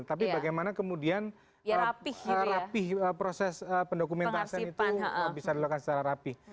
tapi bagaimana kemudian rapih proses pendokumentasan itu bisa dilakukan secara rapih